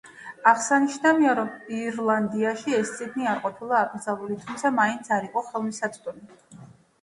აღსანიშნავია რომ ირლანდიაში ეს წიგნი არ ყოფილა აკრძალული, თუმცა მაინც არ იყო ხელმისაწვდომი.